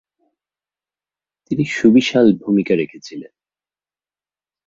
তিনি সুবিশাল ভূমিকা রেখেছিলেন।